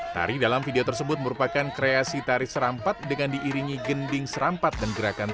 tari dalam video tersebut merupakan kreasi tari serampat dengan diiringi gending serampat dan gerakan tari